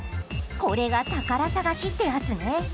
これが宝探しってやつね。